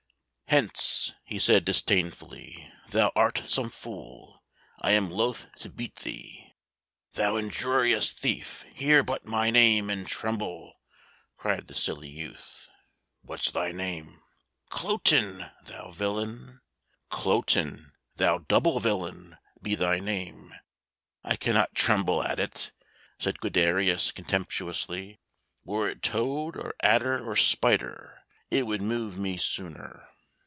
"Hence," he said disdainfully, "thou art some fool; I am loath to beat thee." "Thou injurious thief, hear but my name, and tremble," cried the silly youth. "What's thy name?" "Cloten, thou villain." "Cloten, thou double villain, be thy name, I cannot tremble at it," said Guiderius contemptuously. "Were it Toad, or Adder, or Spider, it would move me sooner."